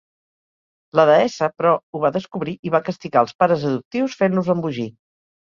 La deessa, però ho va descobrir i va castigar els pares adoptius fent-los embogir.